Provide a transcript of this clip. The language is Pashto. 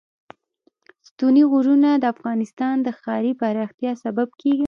ستوني غرونه د افغانستان د ښاري پراختیا سبب کېږي.